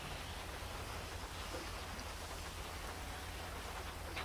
A hawipa nih a rawi.